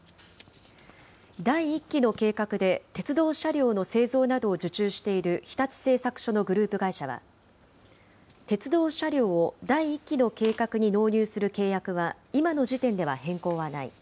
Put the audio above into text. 第１期の計画で、鉄道車両の製造などを受注している日立製作所のグループ会社は、鉄道車両を第１期の計画に納入する契約は、今の時点では変更はない。